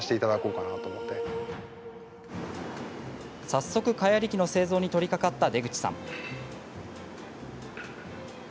早速、蚊やり器の製造に取りかかった出口さん。